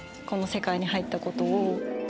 この世界に入ったことを。